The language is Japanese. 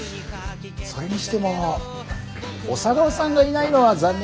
それにしても小佐川さんがいないのは残念だね。